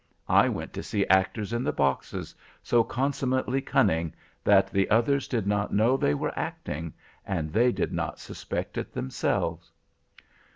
I went to see actors in the boxes, so consummately cunning, that the others did not know they were acting, and they did not suspect it themselves.